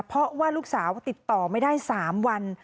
เพราะว่าลูกสาวติดต่อไม่ได้๓วัน